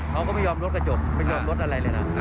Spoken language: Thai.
เขาก็ไม่ยอมรถกระจกไม่ยอมรถอะไรเลยนะ